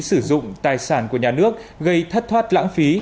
để quản lý sử dụng tài sản của nhà nước gây thất thoát lãng phí